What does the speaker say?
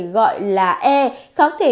gọi là e kháng thể